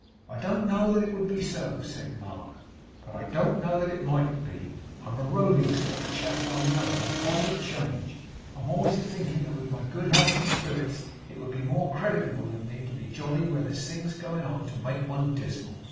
I don't know that it would be so,' said Mark, 'but I don't know that it mightn't be. I am a roving sort of chap, I know. I'm fond of change. I'm always a thinking that with my good health and spirits it would be more creditable in me to be jolly where there's things a going on to make one dismal.